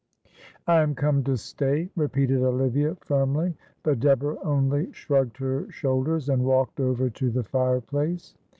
"I am come to stay," repeated Olivia, firmly; but Deborah only shrugged her shoulders and walked over to the fireplace.